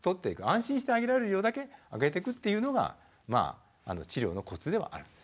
安心してあげられる量だけあげてくっていうのがまあ治療のコツではあるんですね。